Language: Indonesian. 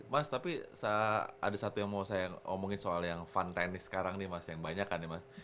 mas tapi ada satu yang mau saya omongin soal yang fun tenis sekarang nih mas yang banyak kan ya mas